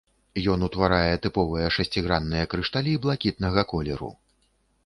Ён утварае тыповыя шасцігранныя крышталі блакітнага колеру.